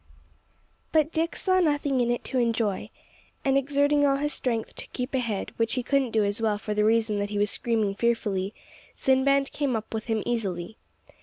But Dick saw nothing in it to enjoy. And exerting all his strength to keep ahead, which he couldn't do as well for the reason that he was screaming fearfully, Sinbad came up with him easily.